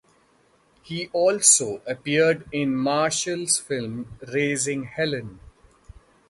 He also appeared in Marshall's film "Raising Helen".